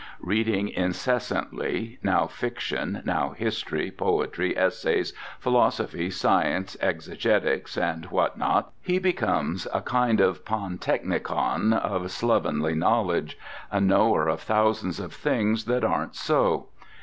Reading incessantly, now fiction, now history, poetry, essays, philosophy, science, exegetics, and what not, he becomes a kind of pantechnicon of slovenly knowledge; a knower of thousands of things that aren't so.